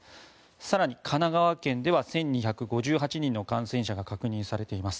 更に神奈川県では１２５８人の感染者が確認されています。